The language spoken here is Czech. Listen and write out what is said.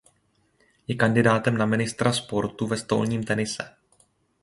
Je kandidátem na mistra sportu ve stolním tenise.